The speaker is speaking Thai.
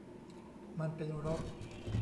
มันเป็นรถ